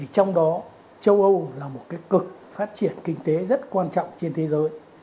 trong đó châu âu là một cực phát triển kinh tế rất quan trọng trên thế giới